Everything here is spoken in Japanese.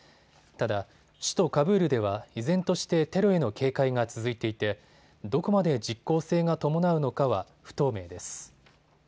ただ、首都カブールでは依然としてテロへの警戒が続いていてどこまで実効性が伴うのかは不透明です。